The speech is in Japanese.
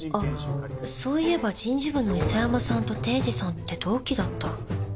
あっそういえば人事部の諌山さんと堤司さんって同期だった。